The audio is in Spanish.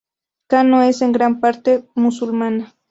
Kano es en gran parte musulmana.